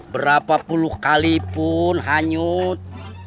berapa puluh kalipun hanyut